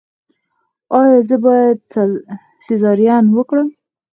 ایا زه باید سیزارین وکړم؟